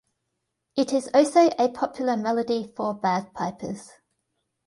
It is also a popular melody for bagpipers.